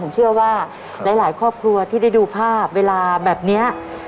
ผมเชื่อว่าหลายครอบครัวที่ได้ดูภาพเวลาแบบนี้